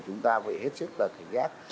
chúng ta phải hết sức là phải ghét